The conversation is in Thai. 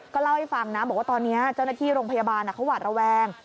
เล่าให้ฟังนะบอกว่าตอนนี้เจ้าหน้าที่โรงพยาบาลเขาหวาดระแวง